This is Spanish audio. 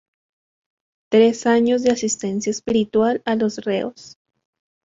Tres años de asistencia espiritual a los reos".